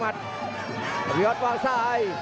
อัพพิวัตรวางซ้าย